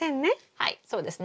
はいそうですね。